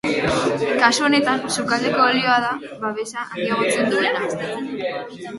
Kasu honetan, sukaldeko olioa da babesa handiagotzen duena.